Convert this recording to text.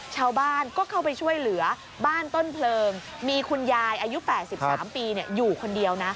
ชาวบ้านก็เข้าไปช่วยเหลือบ้านต้นเพลิงมีคุณยายอายุ๘๓ปีอยู่คนเดียวนะ